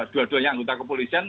dua duanya anggota kepolisian